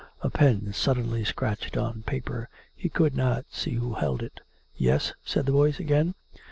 A pen suddenly scratched on paper. He could not see who held it. " Yes ?" said the voice again.